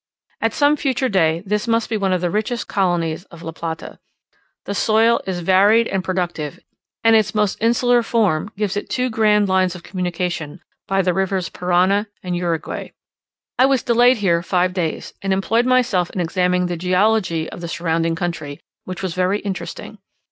At some future day this must be one of the richest countries of La Plata. The soil is varied and productive; and its almost insular form gives it two grand lines of communication by the rivers Parana and Uruguay. I was delayed here five days, and employed myself in examining the geology of the surrounding country, which was very interesting.